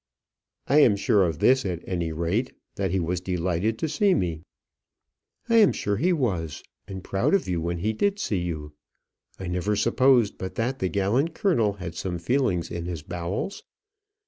"I am sure of this at any rate, that he was delighted to see me." "I am sure he was, and proud of you when he did see you. I never supposed but that the gallant colonel had some feelings in his bowels.